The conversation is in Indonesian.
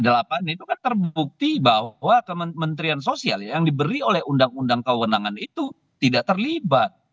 itu kan terbukti bahwa kementerian sosial yang diberi oleh undang undang kewenangan itu tidak terlibat